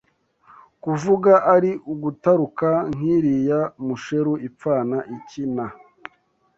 kuvuga ari ugutaruka nk’iriya Musheru ipfana iki na